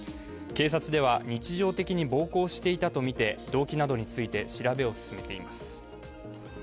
警察では、日常的に暴行していたとみて動機などについて調べを進めています。